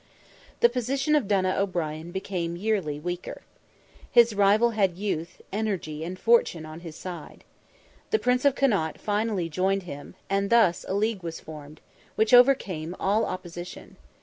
The position of Donogh O'Brien became yearly weaker. His rival had youth, energy, and fortune on his side. The Prince of Connaught finally joined him, and thus, a league was formed, which overcame all opposition.